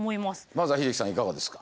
まずは英樹さんいかがですか。